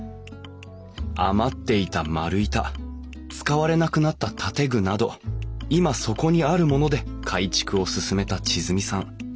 余っていた丸板使われなくなった建具など今そこにあるもので改築を進めた千純さん。